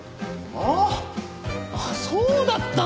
ああそうだったんだ！